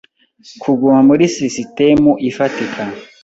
kuguma muri sisitemu ifatika,